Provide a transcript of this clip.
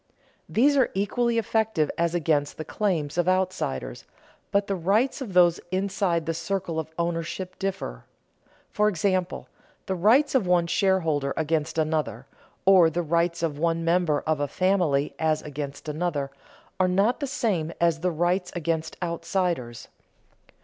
These are equally effective as against the claims of outsiders, but the rights of those inside the circle of ownership differ. For example, the rights of one shareholder against another, or the rights of one member of a family as against another, are not the same as the rights against outsiders.